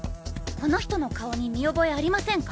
この人の顔に見覚えありませんか？